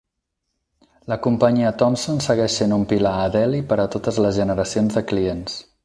La Companyia Thomson segueix sent un pilar a Delhi per a totes les generacions de clients.